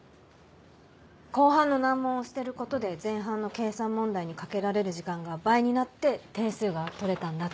後半の難問を捨てることで前半の計算問題にかけられる時間が倍になって点数が取れたんだと。